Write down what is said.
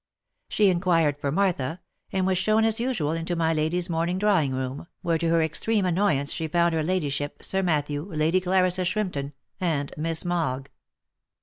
She inquired for Martha, and was shown as usual into my lady's morning drawing room, where to her extreme annoyance she found her ladyship, Sir Matthew, Lady Clarissa Shrimpton, and Miss Mogg.